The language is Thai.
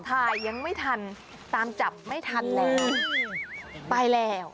ถ่ายยังไม่ทันตามจับไม่ทันแล้วไปแล้ว